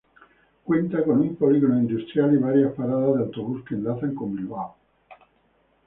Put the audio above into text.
Cuenta con un polígono industrial y varias paradas de autobús, que enlaza con Bilbao.